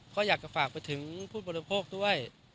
ก็อยากจะฝากไปถึงผู้บริโภคด้วย